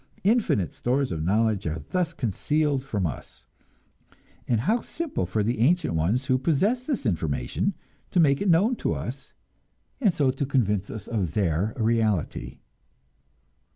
Infinite stores of knowledge are thus concealed from us; and how simple for the ancient ones who possess this information to make it known to us, and so to convince us of their reality!